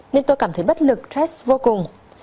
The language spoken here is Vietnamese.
nên tôi cảm thấy bất lực stress vô cùng